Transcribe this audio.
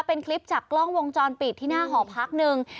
เป็นคลิปจากกล้องวงจรปิดที่หน้าหอพักหนึ่ง